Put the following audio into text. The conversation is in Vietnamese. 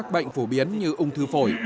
gây bệnh sơ phổ